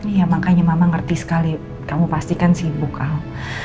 iya makanya mama ngerti sekali kamu pastikan sibuk kamu